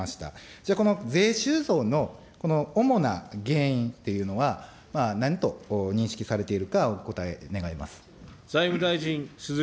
じゃあ、この税収増の主な原因っていうのは、何と認識されているか、お答え願います。